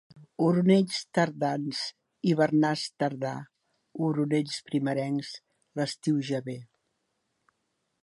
Oronells tardans, hivernàs tardà; oronells primerencs, l'estiu ja ve.